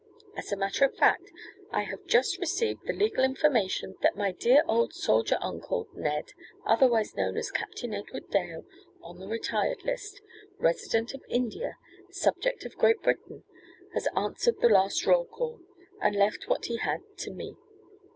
As a matter of fact, I have just received the legal information that my dear old soldier uncle Ned otherwise known as Captain Edward Dale on the retired list, resident of India, subject of Great Britain, has answered the last roll call and left what he had to me.